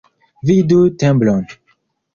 Vidu tembron.